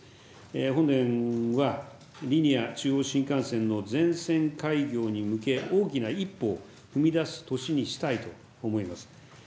本年はリニア中央新幹線の全線開業に向け、大きな一歩を踏み出す年にしたいと思います。